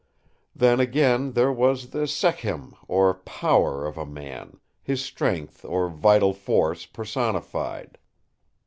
'... Then, again, there was the 'Sekhem', or 'power' of a man, his strength or vital force personified.